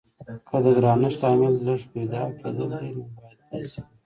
که د ګرانښت لامل لږ پیدا کیدل وي نو باید داسې وي.